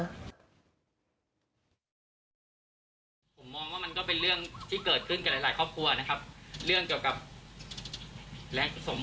ผมมองว่ามันก็เป็นเรื่องที่เกิดขึ้นกับหลายครอบครัวนะครับ